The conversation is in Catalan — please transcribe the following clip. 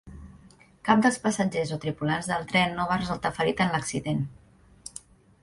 Cap dels passatgers o tripulants del tren no va resultar ferit en l'accident.